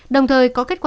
đồng thời có kết quả